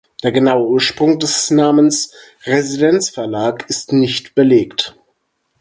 Der genaue Ursprung des Namens “Residenz Verlag” ist nicht belegt.